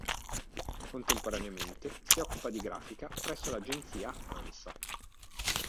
Contemporaneamente si occupa di grafica presso l'agenzia Ansa.